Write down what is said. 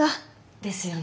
ですよね。